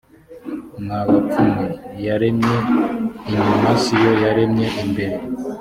mwa bapfu mwe iyaremye inyuma si yo yaremye imbere.